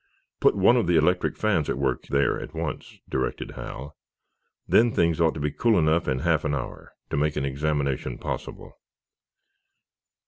"Put one of the electric fans at work there, at once," directed Hal. "Then things ought to be cool enough in half an hour, to make an examination possible."